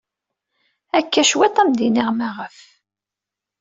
Akka cwiṭ ad am-iniɣ maɣef.